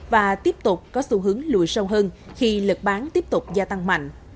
và tiếp tục có xu hướng lùi sâu hơn khi lực bán tiếp tục gia tăng mạnh